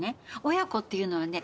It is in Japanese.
親子っていうのはね